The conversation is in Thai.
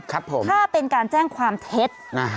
ถ้าเป็นการแจ้งความเท็จ